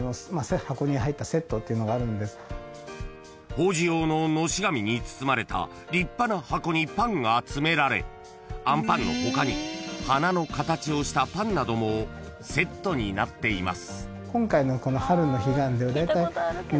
［法事用ののし紙に包まれた立派な箱にパンが詰められあんパンの他に花の形をしたパンなどもセットになっています］